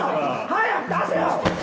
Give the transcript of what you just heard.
早く出せよ！